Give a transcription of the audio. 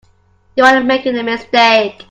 You are making a mistake.